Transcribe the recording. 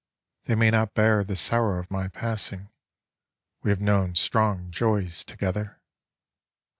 They may not bear the sorrow of my passing, We have known strong joys together!